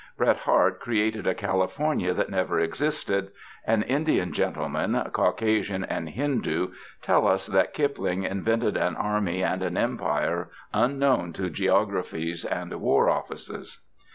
Bret Harte created a California that never existed, and Indian gentlemen, Caucasian and Hindoo, tell us that Kipling invented an army and an empire unknown to geographers and war offices.